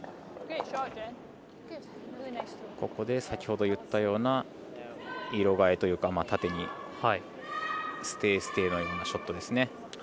先ほど言ったような色変えというか縦にステイ、ステイのショットですね。